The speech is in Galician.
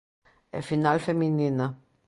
E final feminina.